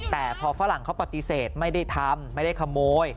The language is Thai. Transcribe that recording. แต่พอฝรั่งเขาปฏิเสธไม่ได้ทำไม่ได้ขโมย